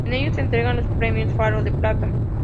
En ellos se entregan los premios Faro de plata.